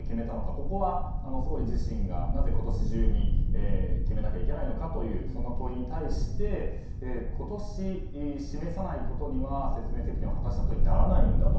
ここは総理自身が、なぜ今年中に決めなきゃいけないのかというそんな問いに対して今年、示さないことには説明責任を果たしたことにならないんだと。